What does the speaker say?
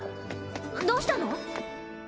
どうしたの？